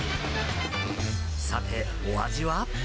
さて、お味は？